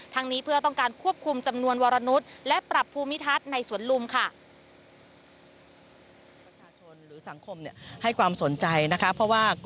นี้เพื่อต้องการควบคุมจำนวนวรนุษย์และปรับภูมิทัศน์ในสวนลุมค่ะ